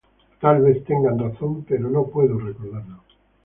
Tal vez tengan razón, pero no puedo recordarlo".